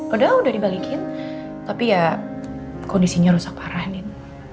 udah udah dibalikin tapi ya kondisinya rusak parah nin